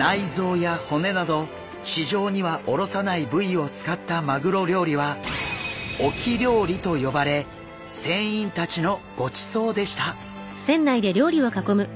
内臓や骨など市場には卸さない部位を使ったマグロ料理は沖料理と呼ばれ船員たちのごちそうでした。